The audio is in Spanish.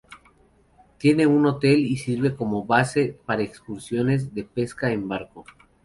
Tiene un hotel y sirve como base para excursiones de pesca en barco.